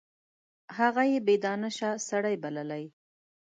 هغه یې بې دانشه سړی بللی.